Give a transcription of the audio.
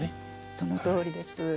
そのとおりです。